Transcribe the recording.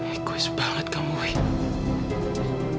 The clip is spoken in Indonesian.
egois banget kamu wih